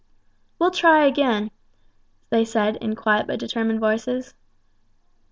"We'll try again," they said, in quiet but determined voices.